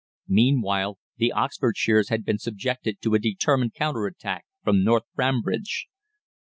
"Meanwhile the Oxfordshires had been subjected to a determined counter attack from North Frambridge.